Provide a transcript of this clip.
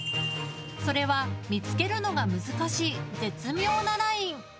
それは見つけるのが難しい絶妙なライン。